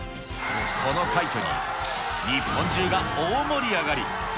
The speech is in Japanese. この快挙に、日本中が大盛り上がり。